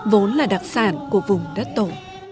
vốn là đặc sản của vùng đất tổ